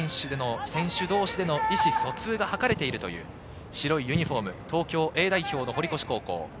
選手同士での意思疎通が図れているという白いユニホーム東京Ａ代表の堀越高校。